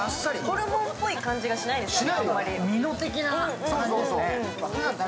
ホルモンっぽい感じがしないですね、あんまり。